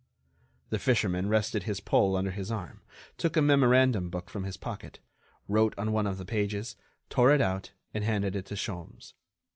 The fisherman rested his pole under his arm, took a memorandum book from his pocket, wrote on one of the pages, tore it out, and handed it to Sholmes.